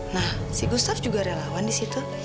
nah si gustaf juga relawan di situ